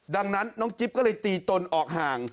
ดังนั้นน้องจิ๊บก็เลยตีตนออกห่าง